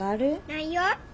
ないよ。